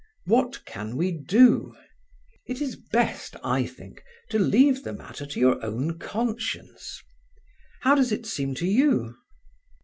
What can we do? It is best, I think, to leave the matter to your own conscience. How does it seem to you?"